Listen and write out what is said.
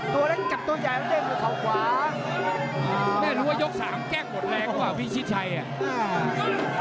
ตัวเล็กกลับตัวใหญ่แล้วเด้งมือเขาขวางแม่งรู้ว่ายกสามแกล้งหมดแรงก็ว่าพี่ชิดชัยอ่ะ